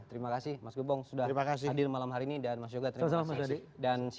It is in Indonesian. terima kasih mas gebong sudah hadir malam hari ini dan mas yoga terima kasih